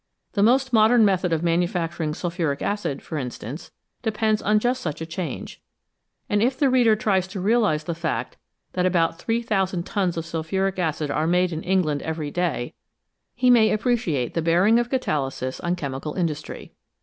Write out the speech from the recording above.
The most modern method of manufacturing sulphuric acid, for instance, depends on just such a change, and if the reader tries to realise the fact that about 3000 tons of sulphuric acid are made in England every day, he may appreciate the bearing of catalysis on chemical industry.